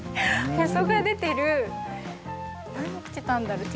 へそが出ている何着てたんだろう？